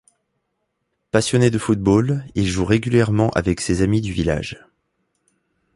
Passionné de football, il joue régulièrement avec ses amis du village.